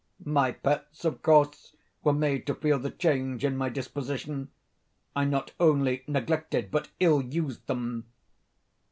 My pets, of course, were made to feel the change in my disposition. I not only neglected, but ill used them.